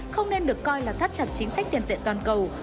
không nên được coi là thắt chặt chính sách tiền tệ toàn cầu